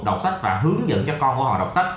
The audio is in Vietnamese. đọc sách và hướng dẫn cho con của họ đọc sách